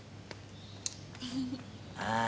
ああ。